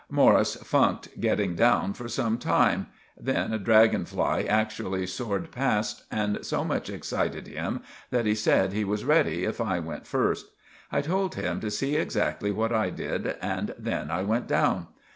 Morris funked getting down for some time; then a draggon fly actually sored past and so much excited him that he said he was reddy if I went first. I told him to see exactly what I did and then I went down.